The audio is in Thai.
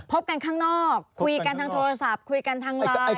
พบกันข้างนอกคุยกันทางโทรศัพท์คุยกันทางไลน์